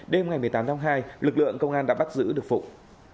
đêm ngày một mươi tám tháng hai lực lượng công an đã bắt giữ được phụng